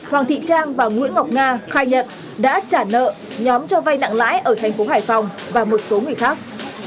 hoàng thị trang và nguyễn ngọc nga khai nhận đã trả nợ nhóm cho vay nặng lãi ở thành phố hải phòng và một số người khác